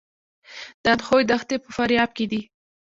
د اندخوی دښتې په فاریاب کې دي